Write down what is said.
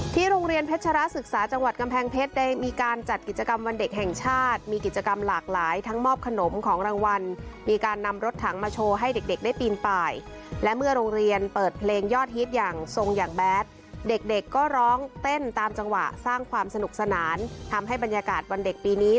โรงเรียนเพชรศึกษาจังหวัดกำแพงเพชรได้มีการจัดกิจกรรมวันเด็กแห่งชาติมีกิจกรรมหลากหลายทั้งมอบขนมของรางวัลมีการนำรถถังมาโชว์ให้เด็กเด็กได้ปีนป่ายและเมื่อโรงเรียนเปิดเพลงยอดฮิตอย่างทรงอย่างแบดเด็กเด็กก็ร้องเต้นตามจังหวะสร้างความสนุกสนานทำให้บรรยากาศวันเด็กปีนี้